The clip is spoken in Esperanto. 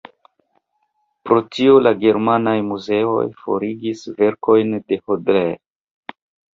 Pro tio la germanaj muzeoj forigis verkojn de Hodler.